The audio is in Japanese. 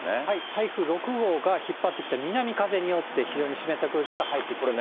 台風６号が引っ張ってきた南風によって、非常に湿った空気が入ってきています。